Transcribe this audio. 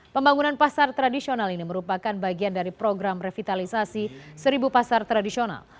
pembangunan pasar tradisional ini merupakan bagian dari program revitalisasi seribu pasar tradisional